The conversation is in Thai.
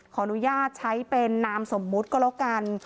ขออนุญาตใช้เป็นนามสมมุติก็แล้วกัน